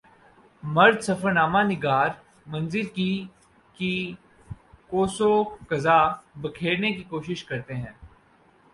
مرد سفر نامہ نگار منظر کی کی قوس و قزح بکھیرنے کی کوشش کرتے ہیں